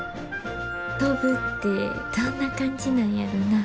飛ぶってどんな感じなんやろな。